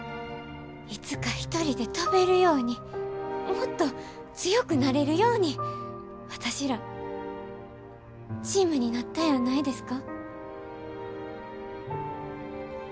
いつか一人で飛べるようにもっと強くなれるように私らチームになったんやないですか？